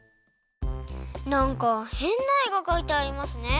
なんかへんなえがかいてありますね。